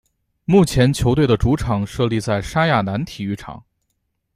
目前球队的主场设立在莎亚南体育场。